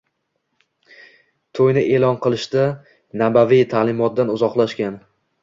Toʻyni eʼlon qilishda nabaviy taʼlimotdan uzoqlashgan